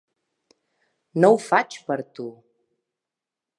No ho faig per tu!